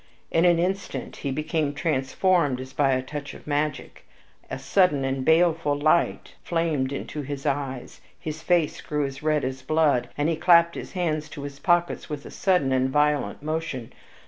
In an instant he became transformed as by the touch of magic. A sudden and baleful light flamed into his eyes, his face grew as red as blood, and he clapped his hand to his pocket with a sudden and violent motion.